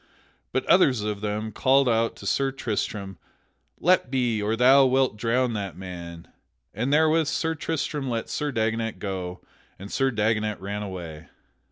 But others of them called out to Sir Tristram, "Let be, or thou wilt drown that man"; and therewith Sir Tristram let Sir Dagonet go, and Sir Dagonet ran away.